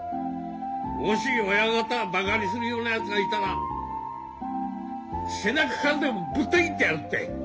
もし親方をバカにするようなやつがいたら背中からでもぶった切ってやるって。